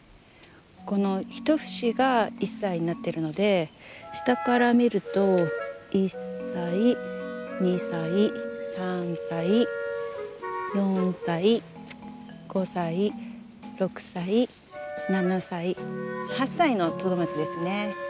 このひと節が１歳になってるので下から見ると１歳２歳３歳４歳５歳６歳７歳８歳のトドマツですね。